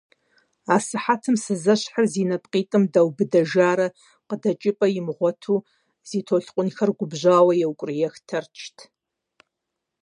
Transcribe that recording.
Асыхьэтым сызэщхьыр зи нэпкъитӀым дэубыдэжарэ, къыдэкӀыпӀэ имыгъуэту, зи толъкъунхэр губжьауэ еукӀуриех Тэрчт.